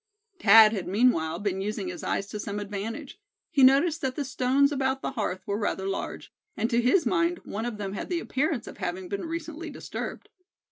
Thad had meanwhile been using his eyes to some advantage. He noticed that the stones about the hearth were rather large, and to his mind one of them had the appearance of having been recently disturbed.